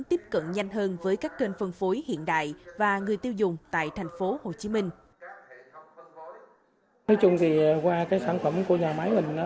tiếp cận nhanh hơn với các kênh phân phối hiện đại và người tiêu dùng tại tp hcm